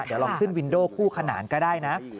เดี๋ยวลองขึ้นวินโดคู่ขนานก็ได้นะ